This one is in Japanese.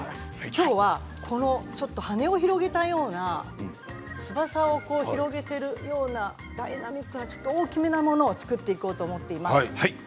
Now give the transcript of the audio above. きょうは羽を広げたような翼を広げているようなダイナミックな大きめのものを作っていこうと思っています。